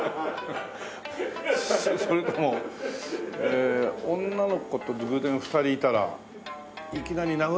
それともえー女の子と偶然２人いたらいきなり殴られた味かな。